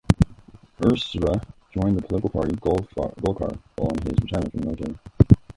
Usra joined the political party Golkar following his retirement from the military.